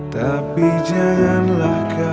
tapi janganlah kau